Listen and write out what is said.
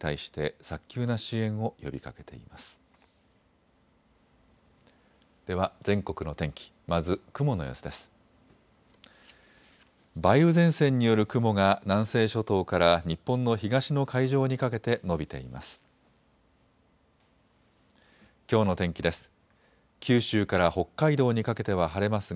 梅雨前線による雲が南西諸島から日本の東の海上にかけて延びています。